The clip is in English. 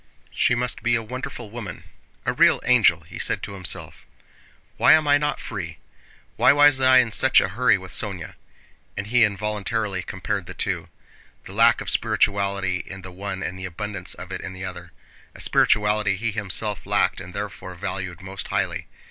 "She must be a wonderful woman. A real angel!" he said to himself. "Why am I not free? Why was I in such a hurry with Sónya?" And he involuntarily compared the two: the lack of spirituality in the one and the abundance of it in the other—a spirituality he himself lacked and therefore valued most highly.